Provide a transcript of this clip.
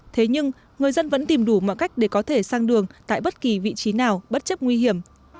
thế nhưng người dân vẫn tìm đủ mọi cách để có thể sang đường tại bất kỳ vị trí nào bất chấp nguy hiểm